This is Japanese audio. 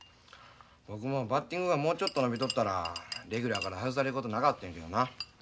僕もバッティングがもうちょっと伸びとったらレギュラーから外されることなかってんけどな。